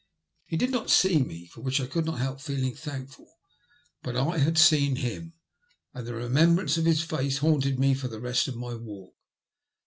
He did not see me, for which I could not help feeling thankful; but I had seen him, and the remembrance of his face haunted me for the rest of my walk.